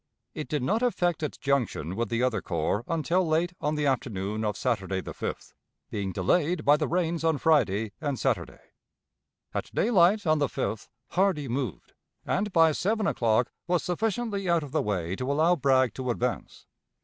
It did not effect its junction with the other corps until late on the afternoon of Saturday the 5th, being delayed by the rains on Friday and Saturday. At daylight on the 5th Hardee moved, and by seven o'clock was sufficiently out of the way to allow Bragg to advance.